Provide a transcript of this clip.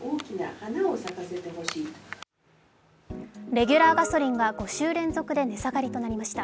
レギュラーガソリンが５週連続で値下がりとなりました。